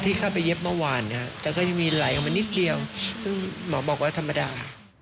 ที่เข้าไปเย็บเมื่อวานนะครับแต่ก็ยังมีไหลออกมานิดเดียวซึ่งหมอบอกว่าธรรมดา